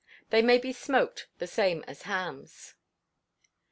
They may be smoked the same as hams.